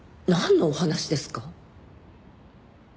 なんのお話ですか？